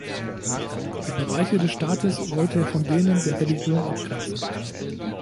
Die Bereiche des Staates wollte er von denen der Religion abgrenzen.